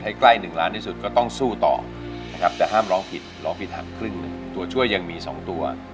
ให้ใกล้๑ล้านที่สุดก็ต้องสู้ต่อจะห้ามร้องผิดร้องผิด